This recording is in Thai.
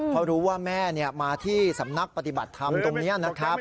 เพราะรู้ว่าแม่มาที่สำนักปฏิบัติธรรมตรงนี้นะครับ